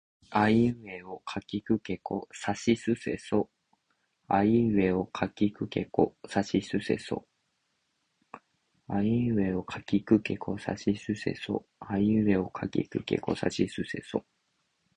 あいうえおかきくけこさしすせそあいうえおかきくけこさしすせそ